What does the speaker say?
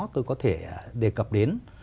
tôi có thể đề cập đến